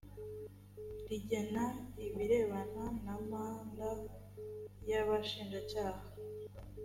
rigena ibirebana na manda y abashinjacyaha